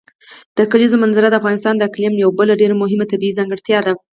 د کلیزو منظره د افغانستان د اقلیم یوه بله ډېره مهمه طبیعي ځانګړتیا ده.